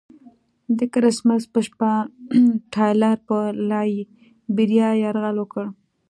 د کرسمس په شپه ټایلر پر لایبیریا یرغل وکړ.